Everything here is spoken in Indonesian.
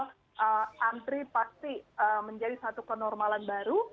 jadi antri pasti menjadi satu kenormalan baru